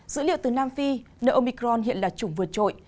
dữ liệu từ nam phi ne omicron hiện là chủng vượt trội